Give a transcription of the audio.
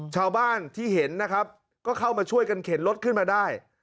ชาวบ้านที่เห็นนะครับก็เข้ามาช่วยกันเข็นรถขึ้นมาได้